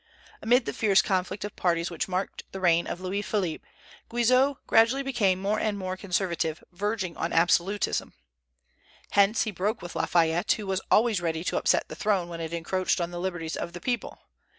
Amid the fierce conflict of parties which marked the reign of Louis Philippe, Guizot gradually became more and more conservative, verging on absolutism. Hence he broke with Lafayette, who was always ready to upset the throne when it encroached on the liberties of the people.